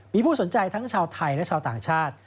มีผู้สนใจทั้งชาวไทยและชาวต่างชาติ